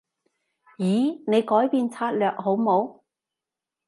咦？你改變策略好冇？